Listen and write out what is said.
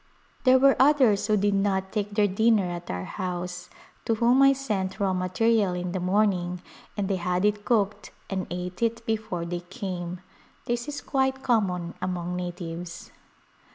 There were others who did not take their dinner at our house, to whom I sent raw material in the morn ing and they had it cooked and ate it before they came. This is quite common among natives.